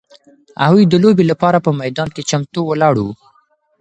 هغوی د لوبې لپاره په میدان کې چمتو ولاړ وو.